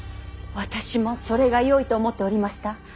私もそれがよいと思っておりました。